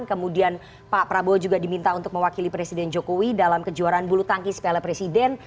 kemudian pak prabowo juga diminta untuk mewakili presiden jokowi dalam kejuaraan bulu tangkis piala presiden